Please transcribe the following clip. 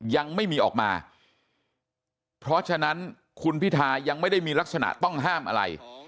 ยังไม่มีออกมาเพราะฉะนั้นคุณพิทายังไม่ได้มีลักษณะต้องห้ามอะไร